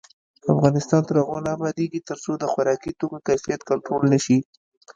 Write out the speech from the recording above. افغانستان تر هغو نه ابادیږي، ترڅو د خوراکي توکو کیفیت کنټرول نشي.